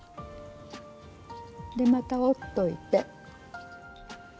でまた折っといて。